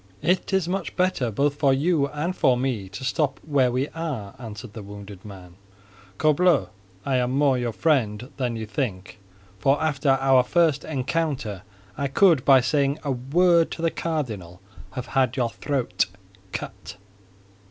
"It is much better both for you and for me to stop where we are," answered the wounded man. "Corbleu! I am more your friend than you think—for after our very first encounter, I could by saying a word to the cardinal have had your throat cut!"